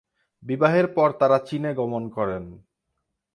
বিবাহের পর তারা চিনে গমন করেন।